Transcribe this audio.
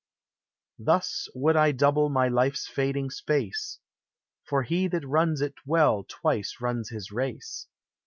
Thus would I double my life's fading space ; Fur he that runs it well twice runs his race.